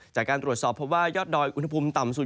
จากการตรวจสอบเพราะว่ายอดดอยอุณหภูมิต่ำสุด